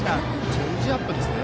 チェンジアップですね。